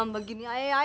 mama begini aja